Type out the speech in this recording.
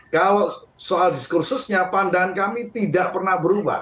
kalau soal diskursusnya pandangan kami tidak pernah berubah